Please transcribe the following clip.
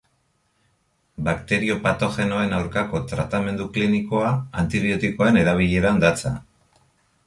Bakterio patogenoen aurkako tratamendu klinikoa antibiotikoen erabileran datza.